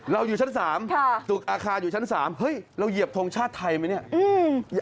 อยู่ชั้น๓ตึกอาคารอยู่ชั้น๓เฮ้ยเราเหยียบทงชาติไทยไหมเนี่ย